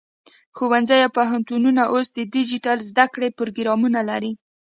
ښوونځي او پوهنتونونه اوس د ډیجیټل زده کړې پروګرامونه لري.